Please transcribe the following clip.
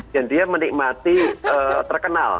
dan dia menikmati terkenal